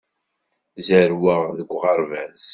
Zerrweɣ deg uɣerbaz.